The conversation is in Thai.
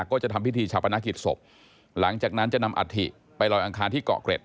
ก็จะทำพิธีชาปนกิจศพหลังจากนั้นจะนำอัฐิไปลอยอังคารที่เกาะเกร็ด